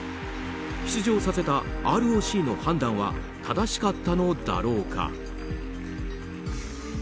出場させたＲＯＣの判断は正しかったのだろうか。